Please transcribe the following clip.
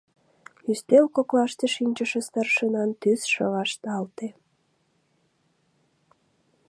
Ӱстел коклаште шинчыше старшинан тӱсшӧ вашталте.